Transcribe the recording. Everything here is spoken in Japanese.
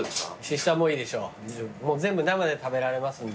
もう全部生で食べられますんで。